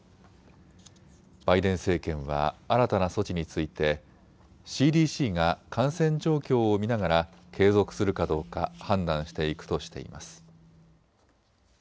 バイデン政権は新たな措置についてＣＤＣが感染状況を見ながら継続するかどうか判断していくとしています。